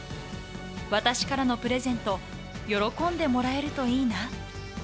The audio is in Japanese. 私からのプレゼント、喜んでもらえるといいな。